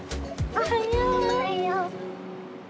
おはよう！